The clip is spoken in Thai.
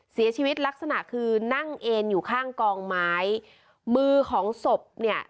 เสียชีวิตลักษณะคือนั่งเอ็นอยู่ข้างกองไม้มือของศพเนี่ย